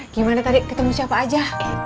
gimana tadi ketemu siapa aja